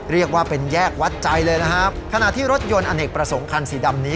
เรียกว่าเป็นแยกวัดใจเลยนะครับขณะที่รถยนต์อเนกประสงค์คันสีดำนี้